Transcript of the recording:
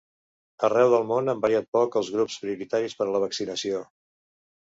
Arreu del món han variat poc els grups prioritaris per a la vaccinació.